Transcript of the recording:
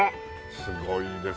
すごいですね。